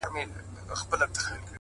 که ټوله ژوند په تنهايۍ کي تېر کړم ـ